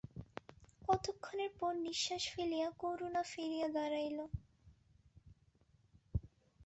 কত ক্ষণের পর নিশ্বাস ফেলিয়া করুণা ফিরিয়া দাড়াইল।